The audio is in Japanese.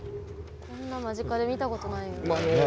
こんな間近で見たことない。